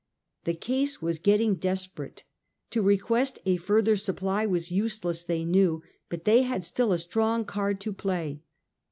The case was getting desperate. To request a further supply was useless they knew, but they had still a strong card to play.